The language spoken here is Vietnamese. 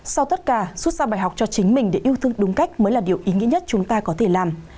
sau tất cả xuất ra bài học cho chính mình để yêu thương đúng cách mới là điều ý nghĩa nhất chúng ta có thể làm